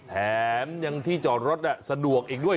แถมที่จอดรถสะดวกด้วย